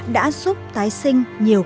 đã giúp tái sinh nhiều